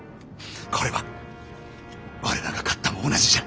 これは我らが勝ったも同じじゃ！